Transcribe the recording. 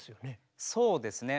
そうですね。